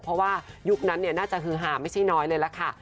เพราะว่ายุคนั้นน่าจะฮือหาไม่ใช่น้อยเลยล่ะค่ะ